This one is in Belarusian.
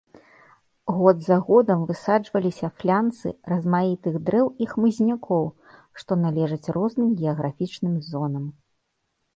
Год за годам высаджваліся флянсы размаітых дрэў і хмызнякоў, што належаць розным геаграфічным зонам.